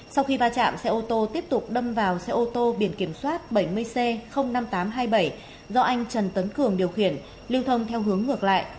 sau khi va chạm xe ô tô tiếp tục đâm vào xe ô tô biển kiểm soát bảy mươi c năm nghìn tám trăm hai mươi bảy do anh trần tấn cường điều khiển lưu thông theo hướng ngược lại